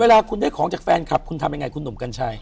เวลาคุณได้ของจากแฟนคลับคุณทำยังไงคุณหนุ่มกัญชัย